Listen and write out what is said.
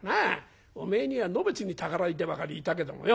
おめえにはのべつにたかられてばかりいたけどもよ